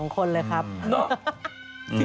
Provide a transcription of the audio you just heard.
๒คนเลยครับ